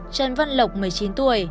trân văn lộc một mươi chín tuổi